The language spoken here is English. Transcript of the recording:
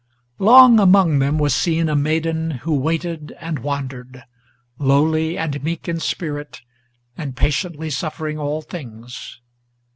Long among them was seen a maiden who waited and wandered, Lowly and meek in spirit, and patiently suffering all things.